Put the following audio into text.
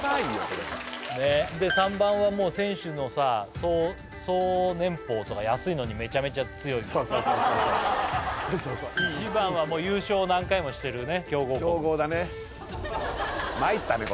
これで３番はもう選手のさ総年俸とか安いのにめちゃめちゃ強いもんそうそうそう１番はもう優勝何回もしてる強豪国強豪だね参ったね